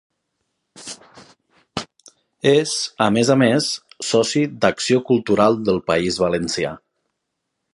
És, a més a més, soci d'Acció Cultural del País Valencià.